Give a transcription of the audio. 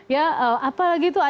ya apa lagi tuh